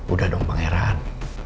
udah dong pangeran